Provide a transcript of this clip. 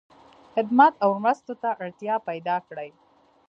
خدمت او مرستو ته اړتیا پیدا کړی.